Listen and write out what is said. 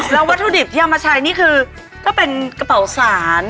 แล้ววัตถุดิบที่เอามาใช้นี่คือก็เป็นกระเป๋าสาร